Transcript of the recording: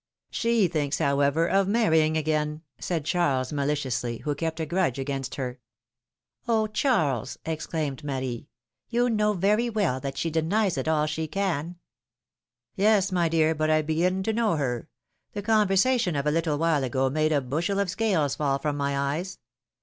" She thinks, however, of marrying again," said Charles, maliciously, who kept a grudge against her. "Oh ! Charles," exclaimed Marie, "you know very well that she denies it all she can !" "Yes, my dear, but I begin to know her; the conver sation of a little while ago made a bushel of scales fall from my eyes.